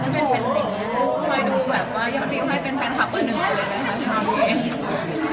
ใครดูแบบว่ายังไม่ได้ให้เป็นแฟนคลับกันหนึ่งเลยนะครับ